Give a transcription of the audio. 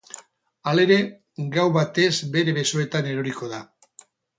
Halere, gau batez bere besoetan eroriko da.